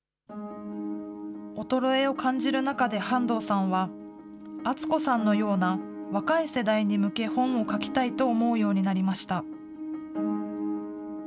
衰えを感じる中で半藤さんは、淳子さんのような若い世代に向け、本を書きたいと思うようになりました。